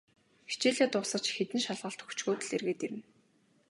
Хичээлээ дуусаж, хэдэн шалгалт өгчхөөд л эргээд ирнэ.